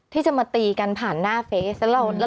ที่จะมาตีกันผ่านหน้าเฟส